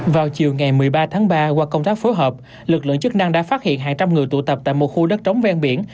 vào chiều ngày một mươi ba tháng ba qua công tác phối hợp lực lượng chức năng đã phát hiện hàng trăm người tụ tập tại một khu đất trống ven biển